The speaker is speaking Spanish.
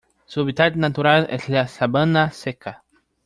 Su hábitat natural es la sabana seca.